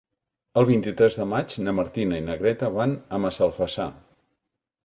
El vint-i-tres de maig na Martina i na Greta van a Massalfassar.